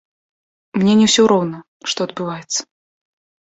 Мне не ўсё роўна, што адбываецца.